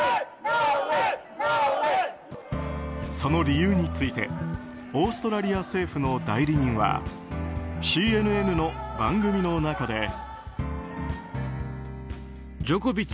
その理由についてオーストラリア政府の代理人はＣＮＮの番組の中で。